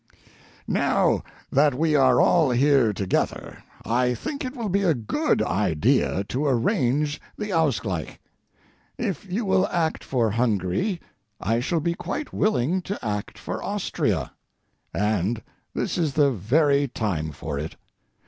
Now that we are all here together, I think it will be a good idea to arrange the ausgleich. If you will act for Hungary I shall be quite willing to act for Austria, and this is the very time for it.